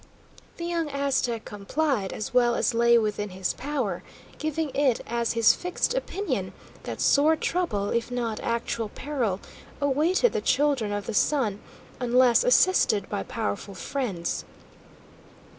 The young Aztec complied as well as lay within his power, giving it as his fixed opinion that sore trouble, if not actual peril, awaited the Children of the Sun, unless assisted by powerful friends.